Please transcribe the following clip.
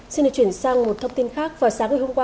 xin được chuyển sang một thông tin khác vào sáng ngày hôm qua